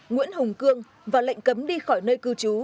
nguyễn hùng cương và lệnh cấm đi khỏi nơi cư trú